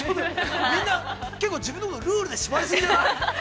◆みんな、結構自分のこと、ルールで縛りすぎじゃない。